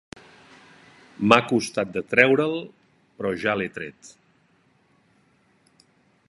M'ha costat de treure-l, peró ja l'he tret